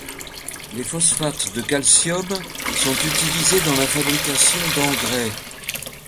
Les phosphates de calcium sont utilisés dans la fabrication d'engrais.